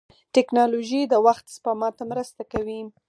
ټکنالوژي د وخت سپما ته مرسته کوي.